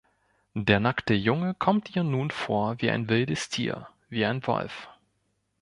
Der nackte Junge kommt ihr nun vor wie ein wildes Tier, wie ein Wolf.